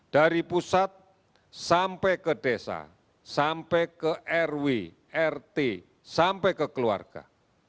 dari pusat sampai ke desa sampai ke rw rt sampai ke keluarga